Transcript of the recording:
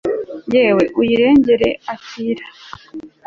yawe uyirengere, akira +r